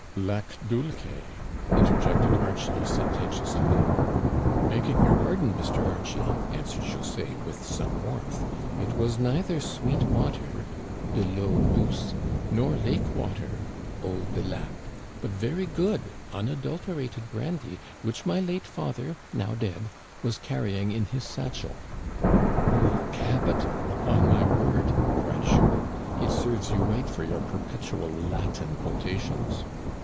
" Lac dulce interjected Archie, sententiously. " Begging your pardon, Mr. Archie," answered José, with some warmth, " it was neither sweet water {de Peau Digitized by VjOOQIC A NIGHT WITH THE SORCERERS. 39 douce) nor lake water {eau de lac), but very good, un adulterated brandy which my late father, now dead, was cariying in his satchel." " Capital, upon my word !" cried Jules. " It serves you right for your perpetual Latin quotations